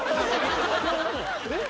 えっ？